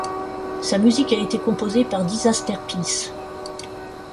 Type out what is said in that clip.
Sa musique a été composée par Disasterpeace.